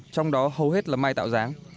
trong đó hầu hết là mai tạo ráng